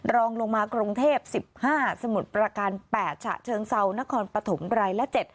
รองลงมากรุงเทพ๑๕สมุทรประการ๘ฉะเชิงเซานครปฐมรายละ๗